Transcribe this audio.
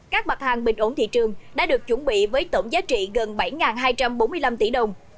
các mặt hàng bình ổn thị trường đã được chuẩn bị với tổng giá trị gần bảy hai trăm bốn mươi năm tỷ đồng